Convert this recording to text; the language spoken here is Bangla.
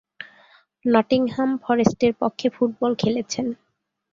নটিংহাম ফরেস্টের পক্ষে ফুটবল খেলেছেন।